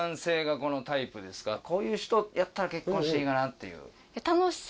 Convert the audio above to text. こういう人やったら結婚していいかなっていう。